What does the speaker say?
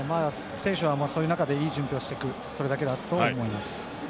選手がその中でいい準備をしていくそれだけだと思います。